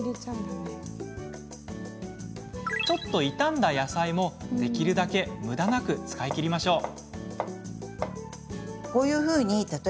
ちょっと傷んだ野菜もできるだけむだなく使い切りましょう。